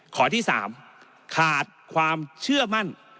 ข้อที่๓ขาดความเชื่อมั่น